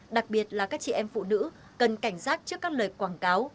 đặc biệt là các chị em phụ nữ cần cảnh giác trước các lời quảng cáo